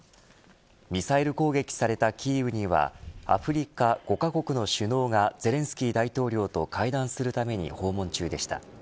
ミサイル攻撃されたキーウにはアフリカ５カ国の首脳がゼレンスキー大統領と会談するために訪問中でした。